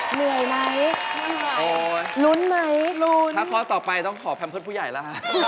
เหนื่อยไหมลุ้นไหมลุ้นโอ๊ยถ้าพอต่อไปต้องขอแพร่มเพิ่มผู้ใหญ่ล่ะ